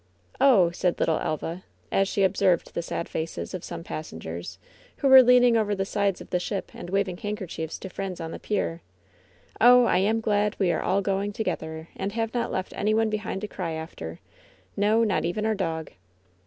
"Oh," said little Elva, as she observed the sad faces of some passengers who were leaning over the sides of the ship and waving handkerchiefs to friends on the pier — "oh, I am glad we are all going together and have not left any one behind to cry after — ^no, not even our dog."